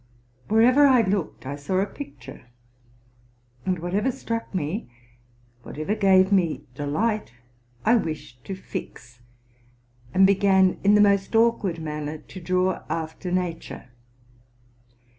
Wherever I looked, I saw a picture ; and whatever struck me, whatever gave me de light, I wished to fix, and began, in the most awkward manner, to draw after nature.